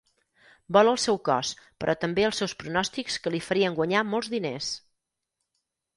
Vol el seu cos, però també els seus pronòstics que li farien guanyar molts diners!